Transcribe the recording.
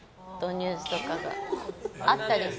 ニュースとかがあったりして。